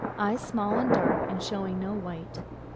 Eyes small and dark, and showing no white.